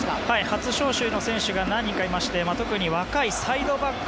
初招集の選手が何人かいまして特に若いサイドバック